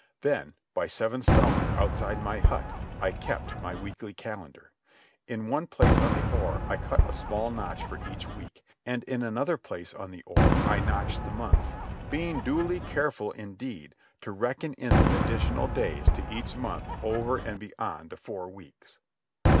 Then, by seven stones outside my hut, I kept my weekly calendar. In one place on the oar I cut a small notch for each week, and in another place on the oar I notched the months, being duly careful indeed, to reckon in the additional days to each month over and beyond the four weeks.